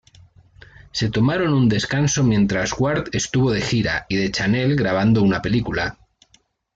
Se tomaron un descanso mientras Ward estuvo de gira y Deschanel grabando una película.